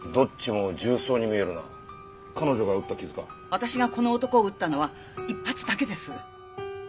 私がこの男を撃ったのは１発だけです。